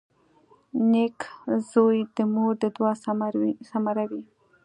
• نېک زوی د مور د دعا ثمره وي.